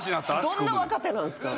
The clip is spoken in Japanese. どんな若手なんですか。